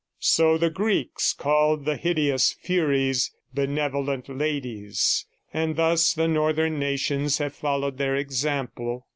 So the Greeks called the hideous furies benevolent ladies, and thus the northern nations have followed their example.